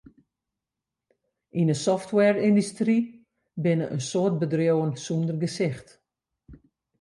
Yn 'e softwareyndustry binne in soad bedriuwen sonder gesicht.